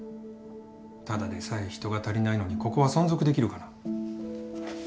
ただでさえ人が足りないのにここは存続できるかな？